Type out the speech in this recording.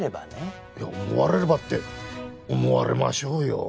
いや思われればって思われましょうよ。